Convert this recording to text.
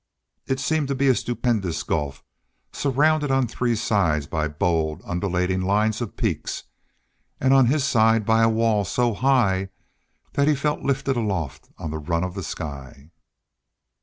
It seemed to be a stupendous gulf surrounded on three sides by bold, undulating lines of peaks, and on his side by a wall so high that he felt lifted aloft on the run of the sky.